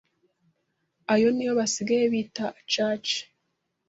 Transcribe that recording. Ayo niyo basigaye bita aacace